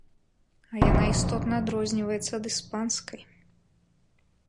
А яна істотна адрозніваецца ад іспанскай.